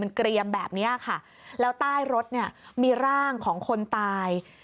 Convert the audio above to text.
เกรียมแบบนี้ค่ะแล้วใต้รถเนี่ยมีร่างของคนตาย